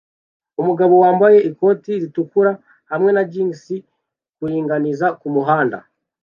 Umugabo wambaye ikoti ritukura hamwe na jans kuringaniza kumuhanda